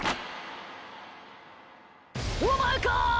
お前か！